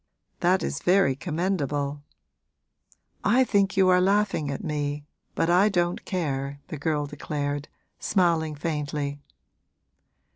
that is very commendable.' 'I think you are laughing at me, but I don't care,' the girl declared, smiling faintly.